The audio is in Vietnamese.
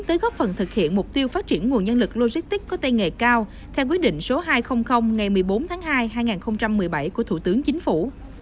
tới góp phần thực hiện mục tiêu phát triển nguồn nhân lực logistics có tay nghề cao theo quyết định số hai trăm linh ngày một mươi bốn tháng hai hai nghìn một mươi bảy của thủ tướng chính phủ